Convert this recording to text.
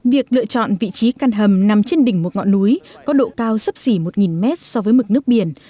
việc lựa chọn vị trí căn hầm nằm trên đỉnh một ngọn núi có độ cao sấp xỉ một mét so với mực nước biển